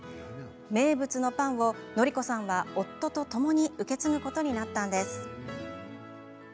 名物のパンを則子さんは夫とともに受け継ぐことになったんです。